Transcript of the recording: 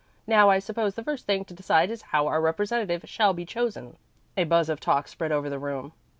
Now I suppose the first thing to decide is how our representative shall be chosen." A buzz of talk spread over the room.